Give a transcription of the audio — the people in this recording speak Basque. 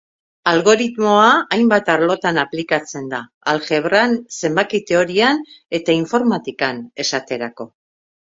Algoritmoa hainbat arlotan aplikatzen da; aljebran, zenbaki-teorian eta informatikan, esaterako.